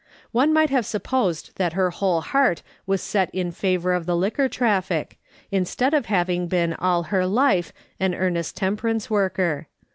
One might have supposed that her whole heart was set in favour of the liquor traffic, instead of having been all her life an earnest temperance worker.